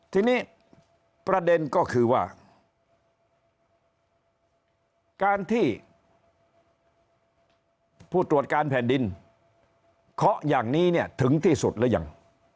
ทีนี้ประเด็นก็คือว่าการที่ผู้ตรวจการแผ่นดินเคาะอย่างนี้เนี่ยถึงที่สุดหรือยัง